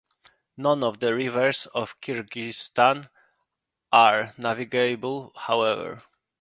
None of the rivers of Kyrgyzstan are navigable, however.